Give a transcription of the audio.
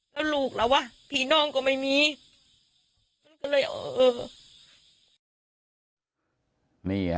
แล้วลูกล่ะวะพี่น้องก็ไม่มีมันก็เลยเออ